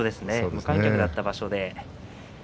無観客だった場所で。